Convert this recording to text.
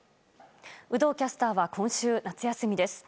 有働キャスターは今週夏休みです。